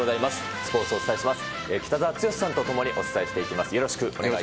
スポーツをお伝えします。